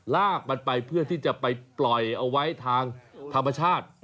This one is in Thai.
ลากมันไปเพื่อที่จะไปปล่อยเอาไว้ทางธรรมชาติ